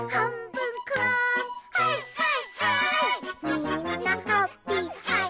「みんなハッピーハイ！